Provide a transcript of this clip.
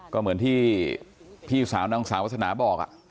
ก็เหมือนที่พี่สาวนางสาววัฒนาบอก